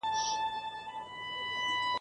د پولادو په سینو کي ..